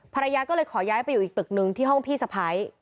ภรรยาก็เลยขอย้ายไปอยู่อีกตึกนึงที่ห้องพี่สะพ้าย